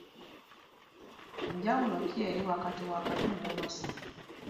Njawulo ki eri wakati wa Kato ne Wasswa?